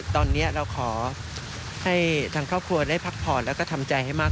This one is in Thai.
ตอนนี้เราขอให้ทางครอบครัวได้พักผ่อนแล้วก็ทำใจให้มาก